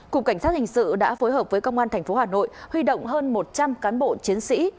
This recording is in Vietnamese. cục cảnh sát hình sự đã phối hợp với công an tp hà nội huy động hơn một trăm linh cán bộ chiến sĩ